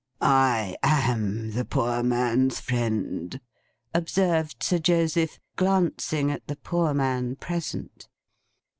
'I am the Poor Man's Friend,' observed Sir Joseph, glancing at the poor man present.